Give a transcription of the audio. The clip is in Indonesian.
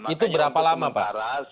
itu berapa lama pak